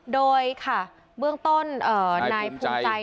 โดยค่ะเบื้องต้นนายภูมิใจเนี่ยค่ะอ้าง